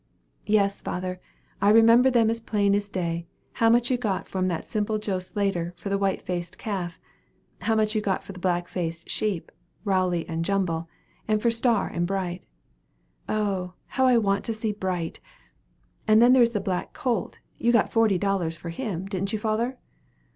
"Yes, father; I remember as plain as day, how much you got from that simple Joe Slater, for the white faced calf how much you got for the black faced sheep, Rowley and Jumble, and for Star and Bright. Oh, how I want to see Bright! And then there is the black colt you got forty dollars for him, didn't you, father?"